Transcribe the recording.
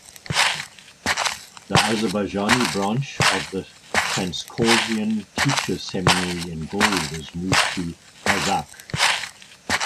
The Azerbaijani branch of the Transcaucasian Teachers Seminary in Gori was moved to Gazakh.